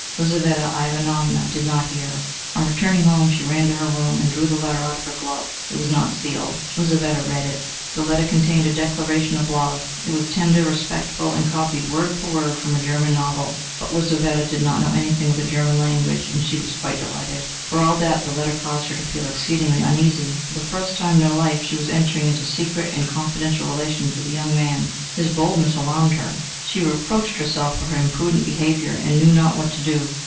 Lizaveta Ivanovna did not hear her. On returning home she ran to her room, and drew the letter out of her glove: it was not sealed. Lizaveta read it. The letter contained a declaration of love; it was tender, respectful, and copied word for word from a German novel. But Lizaveta did not know anything of the German language, and she was quite delighted. For all that, the letter caused her to feel exceedingly uneasy. For the first time in her life she was entering into secret and confidential relations with a young man. His boldness alarmed her. She reproached herself for her imprudent behaviour, and knew not what to do.